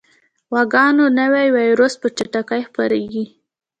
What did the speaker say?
غواګانو نوی ویروس په چټکۍ خپرېږي.